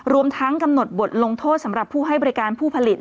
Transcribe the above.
รวมทั้งกำหนดบทลงโทษสำหรับผู้ให้บริการผู้ผลิต